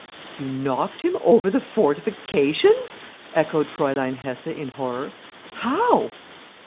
"You knocked him over the fortifications!" echoed Fräulein Hesse in horror. "How?"